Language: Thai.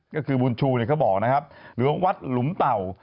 ก็คือบุญชูเนี่ยเขาบอกนะครับหลวงวัดหลุมเต่า